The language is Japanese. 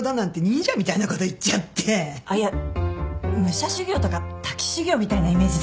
あっいや武者修行とか滝修行みたいなイメージで。